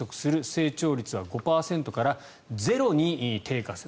成長率は５％から０に低下する。